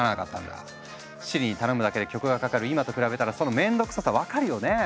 Ｓｉｒｉに頼むだけで曲がかかる今と比べたらその面倒くささ分かるよね？